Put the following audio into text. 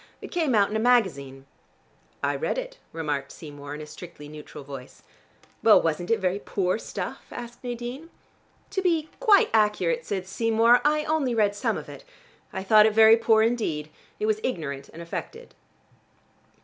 It came out in a magazine." "I read it," remarked Seymour in a strictly neutral voice. "Well, wasn't it very poor stuff?" asked Nadine. "To be quite accurate," said Seymour, "I only read some of it. I thought it very poor indeed. If was ignorant and affected."